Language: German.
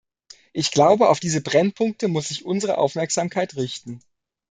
Ich glaube, auf diese Brennpunkte muss sich unsere Aufmerksamkeit richten.